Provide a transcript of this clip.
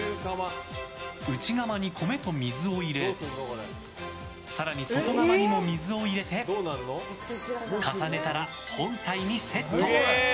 内釜に米と水を入れ更に、外釜にも水を入れて重ねたら本体にセット。